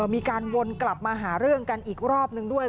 มีการวนกลับมาหาเรื่องกันอีกรอบนึงด้วย